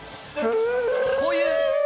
こういう。